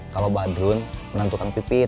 kenapa badrun menang tukang pipit